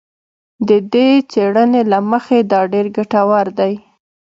د دې څېړنې له مخې دا ډېر ګټور دی